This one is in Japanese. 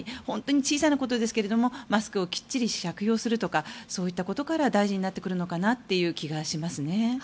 小さなことですけれどもマスクをきっちり着用するとかそういったことから大事になってくるのかなという気がします。